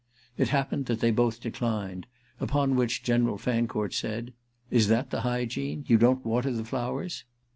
It happened that they both declined; upon which General Fancourt said: "Is that the hygiene? You don't water the flowers?"